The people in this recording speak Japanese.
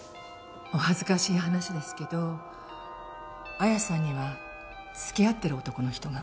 お恥ずかしい話ですけど彩矢さんには付き合ってる男の人が。